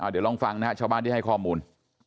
เดี๋ยวลองฟังนะฮะชาวบ้านที่ให้ข้อมูล